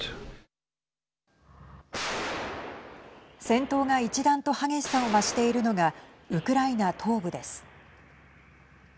戦闘が一段と激しさを増しているのがウクライナ東部です。